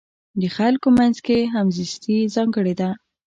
د خلکو منځ کې همزیستي ځانګړې ده.